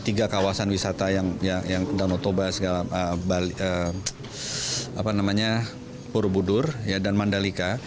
tiga kawasan wisata yang dalam otobas purbudur dan mandalika